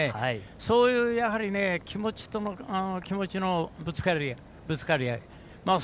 そういう気持ちと気持ちのぶつかり合いと。